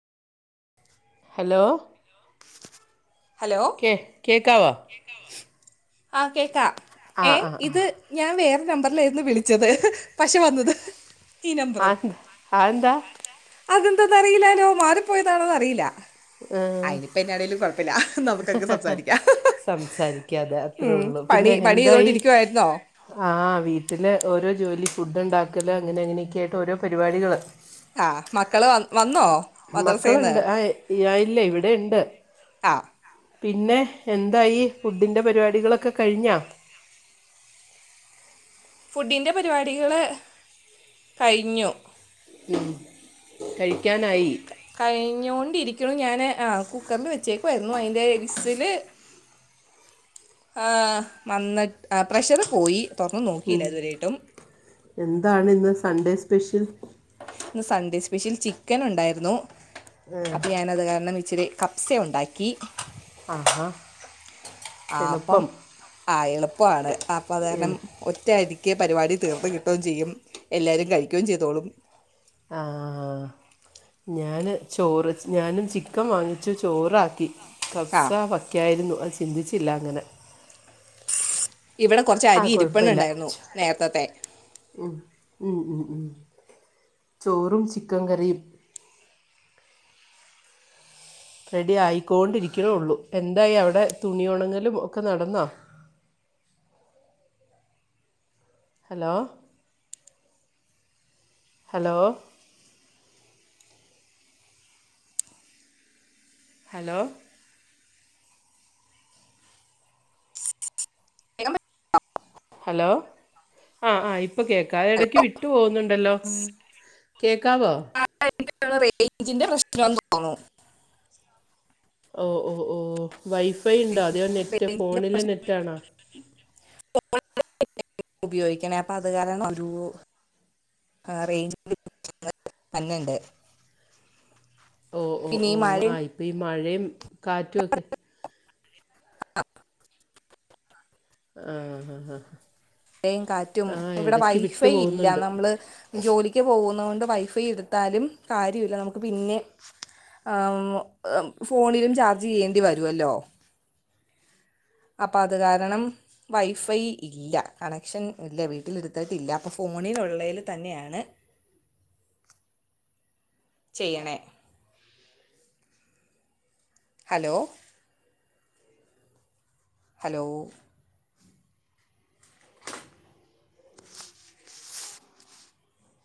Hello. Hello. കേ കേക്കാവോ? കേക്കാവോ? ആഹ് കേക്കാം ആ ഏഹ് ആ ആ ഇത് ഞാൻ വേറെ നമ്പറിലായിരുന്നു വിളിച്ചത് പക്ഷെ വന്നത്. ഈ നമ്പറോ? ആന്താ ആന്താ അതെന്താ അറിയില്ലല്ലോ മാറിപ്പോയതാണോന്ന് അറിയില്ല. അയിനിപ്പം എന്നാണെലും കൊഴപ്പില്ല നമുക്ക് അങ്ങ് സംസാരിക്കാം. സംസാരിക്കാതെ അത്രേ ഉം, ഉള്ളു പണി പിന്നെ പണി എന്തായി. ചെയ്തുകൊണ്ടിരിക്കുവായിരുന്നോ ആഹ് വീട്ടില് ഓരോ ജോലി ഫുഡ് ഉണ്ടാക്കൽ അങ്ങനെ എങ്ങനെയൊക്കെയായിട്ട് ഓരോ പരിപാടികള്. ആഹ് മക്കള് വ വന്നോ? മദ്രസേന്ന് മക്കളുണ്ട് ആയില്ല ഇവിടെയുണ്ട്. ആഹ്. പിന്നെ എന്തായി ഫുഡിൻ്റെ പരിപാടികളൊക്കെ കഴിഞ്ഞോ. ഫുഡിൻ്റെ പരിപാടികള് കഴിഞ്ഞു. ഉം കഴിക്കാനായി. കഴിഞ്ഞോണ്ടിരിക്ക്ണു ഞാൻ ആഹ് കുക്കറിൽ വെച്ചേക്കു ആയിരുന്നു അതിൻ്റെ വിസില്. ആഹ് വന്നിട്ട് പ്രഷറ് പോയി തുറന്ന് ഉം നോക്കിയില്ല ഇതുവരെ ആയിട്ടും. എന്താണ് ഇന്ന് സൺഡേ സ്പെഷ്യൽ ഇ സൺഡേ സ്പെഷ്യൽ ചിക്കൻ ഉണ്ടായിരുന്നു ഏ, അപ്പൊ ഞാന അത് കാരണം ഇച്ചിരി കപ്പ സേ ഉണ്ടാക്കി ഹാഹാ ആപ്പം ആ എളുപ്പാണ് അപ്പം അതാരണം എളു ഒറ്റായിരിക്കും ക്കെ പരിപാടി തീർത്ത് കിട്ടുകയും ചെയ്യും എല്ലാവരും കഴിക്കുകയും ചെയ്തോളും ആഹ ഞാൻ ചോറ് ഞാനും ചിക്കൻ വാങ്ങിച്ചു ചോറാക്കി ആ കഫ്സ വക്കായിരുന്നു അത് ചിന്തിച്ചില്ല അങ്ങനെ ഇവിടെ കൊറച്ച ആ അരി ഇരിപ്പെണ്ണ ണ്ടായിരുന്നു നേരത്തെത്തെ ഉ ഉ ഉ ഉ ചോറും ചിക്കൻ കറിയും റെഡി ആയിക്കൊണ്ടിരിക്ണോള്ളൂ എന്തായി അവിടെ തുണിയുണക്കൽ ഒക്കെ നടന്നോ ഹലോ ഹലോ ഹലോ കേക്കാ പറ്റിയില്ല ഹലോ ആ ആ ഇപ്പൊ കേക്കാ എടക്ക് വിട്ടു പോകുന്നുണ്ടല്ലോ കേക്കാവോ എ റേഞ്ചിന്റെറെ പ്രശ്നം എെന്ന് തോന്നുന്നു [inaudible] ഓഹ് ഓഹ് ഓഹ് വൈഫൈ ഉണ്ടോ അതെയോ നെറ്റ് റേഞ്ചിന്റെ ഫോണിലെ പ്രശ്നം നെറ്റാണോ [unintelligible] ഉപയോഗിക്കണേ അപ്പം അതു കാരണം ആ റേച് [unintelligible] തന്നെണ്ട് പിന്നെ ഈ മഴിം അപ്പം ഈ മഴയും കാറ്റുമൊക്കെ ആഹ ആ ആ കാറ്റും ആ ഇവിടെ ഇടയ്ക്ക് വിട്ടു വൈഫൈ ഇല്ല പോകുന്നുണ്ട് നമ്മള് ജോലി പോകുന്ന കൊണ്ട് വൈഫൈ എടുത്താലും കാര്യമില്ല നമുക്ക് പിന്നെ ആ ഫോണിലും ചാർജ് ചെയ്യേണ്ടി വരുവല്ലോ അപ്പൊ അത് കാരണം വൈഫൈ ഇല്ല കണക്ഷൻ ഇല്ല വീട്ടിലെടുത്തായിട്ട് ഇല്ല അപോൾ ഫോണിലുള്ളതിൽ തന്നെയാണ് ചെയ്യണേ ഹലോ ഹലോ